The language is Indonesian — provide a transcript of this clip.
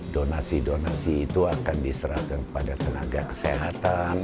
donasi donasi itu akan diserahkan kepada tenaga kesehatan